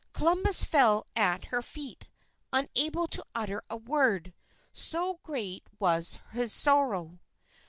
Columbus fell at her feet, unable to utter a word, so great was his sorrow.